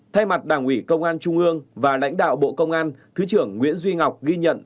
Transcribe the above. thay mặt đảng ủy công an trung ương và lãnh đạo bộ công an thứ trưởng nguyễn duy ngọc ghi nhận